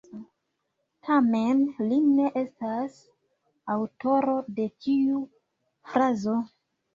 Tamen li ne estas aŭtoro de tiu frazo.